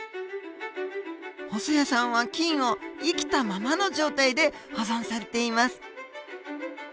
細矢さんは菌を生きたままの状態で保存されています。